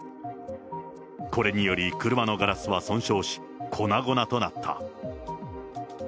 これにより車のガラスは損傷し、粉々となった。